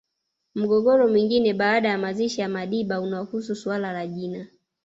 Mgogoro mwingine baada ya mazishi ya Madiba unahusu suala la jina